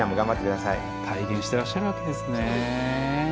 体現してらっしゃるわけですね。